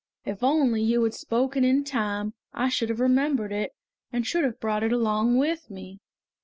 If only you had spoken in time I should have remembered it, and should have brought it along with me!"